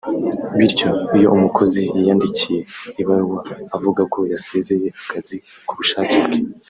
bityo iyo umukozi yiyandikiye ibaruwa avuga ko yasezeye akazi ku bushake bwe